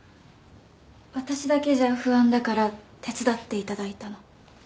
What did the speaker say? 私だけじゃ不安だから手伝っていただいたの。